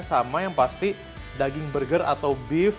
sama yang pasti daging burger atau beef